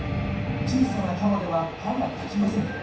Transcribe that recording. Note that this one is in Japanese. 小さなカマでは歯が立ちません。